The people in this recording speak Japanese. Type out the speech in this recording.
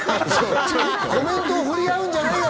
コメントを振り合うんじゃないよ！